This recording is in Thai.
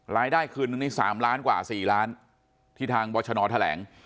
รายได้คืนนึงนี่๓ล้านกว่า๔ล้านที่ทางบรชนแถลง